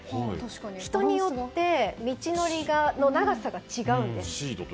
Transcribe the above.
人によって道のりの長さが違うんです。